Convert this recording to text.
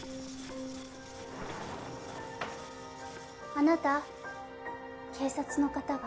あなた警察の方が。